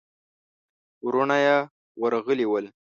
وروڼه يې ورغلي ول.